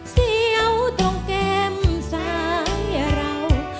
เสี่ยวตรงเกมสายเรา